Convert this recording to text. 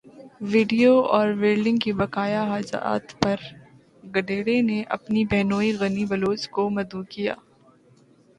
video اور welding کے بقایاجات پر گڈریے نے اپنے بہنوئی غنی بلوچ کو مدعو کیا